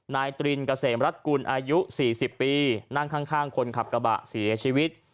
ตรินเกษมรัฐกุลอายุ๔๐ปีนั่งข้างคนขับกระบะเสียชีวิต